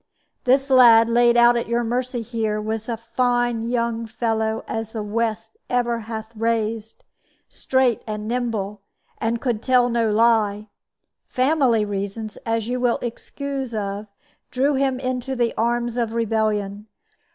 This lad, laid out at your mercy here, was as fine a young fellow as the West hath ever raised straight and nimble, and could tell no lie. Family reasons, as you will excoose of, drew him to the arms of rebellion.